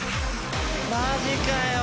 マジかよ。